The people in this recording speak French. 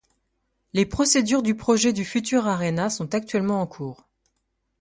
Les procédures du projet du futur aréna sont actuellement en cours.